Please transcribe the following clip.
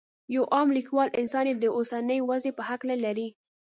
یو عام کلیوال انسان یې د اوسنۍ وضعې په هکله لري.